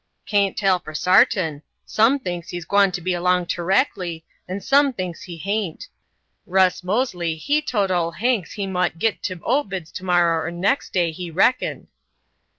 "Cain't tell for sartin; some thinks he's gwyne to be 'long toreckly, and some thinks 'e hain't. Russ Mosely he tote ole Hanks he mought git to Obeds tomorrer or nex' day he reckoned."